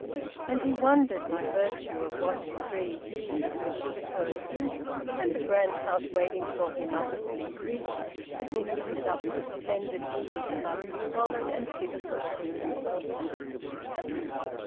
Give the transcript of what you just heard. And he wondered by virtue of what decree he, in the Shillitoe suit, and the grand house waiting for him up at Bleakridge, had been lifted up to splendid ease above the squalid and pitiful human welter.